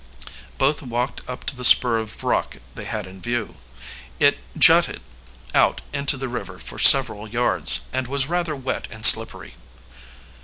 Both walked up to the spur of rock they had in view. It jutted out into the river for several yards, and was rather wet and slippery.